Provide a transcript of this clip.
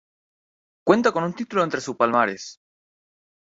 Cuenta con un título entre su palmares.